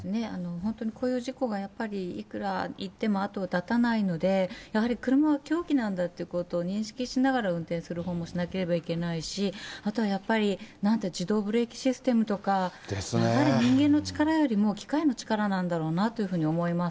本当にこういう事故がやっぱりいくらいっても後を絶たないので、やはり車は凶器なんだっていうことを認識しながら運転する方もしなければいけないし、あとはやっぱり自動ブレーキシステムですとか、やっぱり人間の力よりも機械の力なんだろうなというふうに思います。